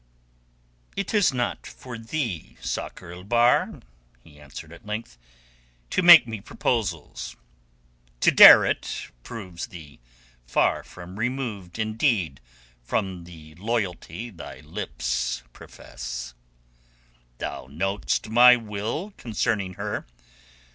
"It is not for thee, Sakr el Bahr," he answered at length, "to make me proposals. To dare it, proves thee far removed indeed from the loyalty thy lips profess. Thou knowest my will concerning her.